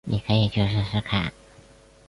妳可以去试试看